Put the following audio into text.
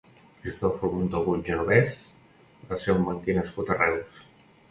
Cristòfol Montagut Genovès va ser un banquer nascut a Reus.